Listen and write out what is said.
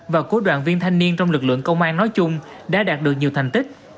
và của đoàn viên thanh niên trong lực lượng công an nói chung đã đạt được nhiều thành tích